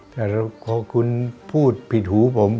แต่พอคุณพูดผิดหูผม